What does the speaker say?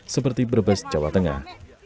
seperti berbes jawa tengah